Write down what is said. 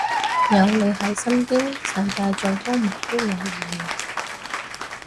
有你喺身邊，世界再荒謬都有意義